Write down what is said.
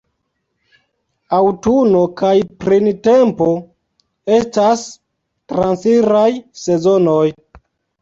Aŭtuno kaj printempo estas transiraj sezonoj.